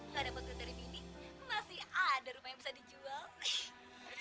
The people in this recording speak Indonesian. pada waktu dari bini masih ada rumah yang bisa dijual